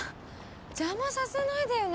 邪魔させないでよね。